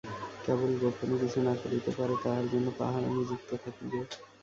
কেবল গােপনে কিছু না করিতে পারে তাহার জন্য পাহারা নিযুক্ত থাকিবে।